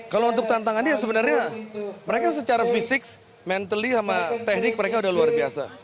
kalau untuk tantangannya sebenarnya mereka secara fisik mentally sama teknik mereka udah luar biasa